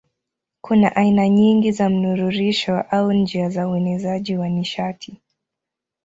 Kuna aina nyingi za mnururisho au njia za uenezaji wa nishati.